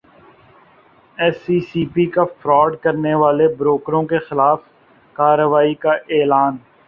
S E C P کا fraud کرنیوالے بروکروں کیخلاف کارروائی کا اعلان